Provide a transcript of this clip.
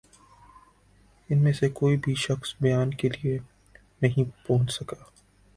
ان میں سے کوئی بھِی شخص بیان کے لیے نہیں پہنچ سکا